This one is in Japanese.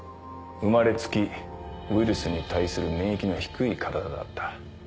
生まれつきウイルスに対する免疫の低い体だった。